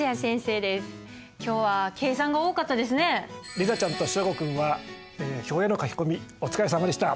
莉奈ちゃんと祥伍君は表への書き込みお疲れさまでした。